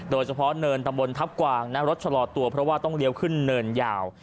โดยเฉพาะเนินตำบลทัพกวางนะรถชะลอตัวเพราะว่าต้องเลี้ยวขึ้นเนินยาว